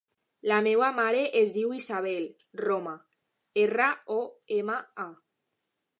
La meva mare es diu Isabel Roma: erra, o, ema, a.